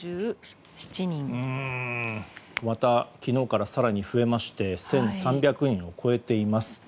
また昨日から更に増えまして１３００人を超えています。